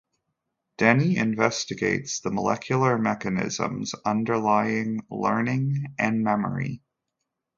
Denny investigates the molecular mechanisms underlying learning and memory.